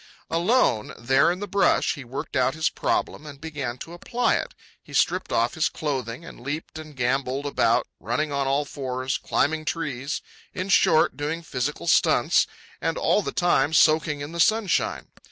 Alone, there in the brush, he worked out his problem and began to apply it. He stripped off his clothing and leaped and gambolled about, running on all fours, climbing trees; in short, doing physical stunts,—and all the time soaking in the sunshine.